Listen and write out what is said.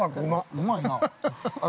◆うまいな。